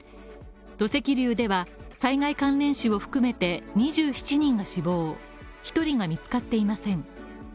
土石流では災害関連死を含めて２７人が死亡、１人が見つかっていません。